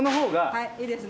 はいいいですね。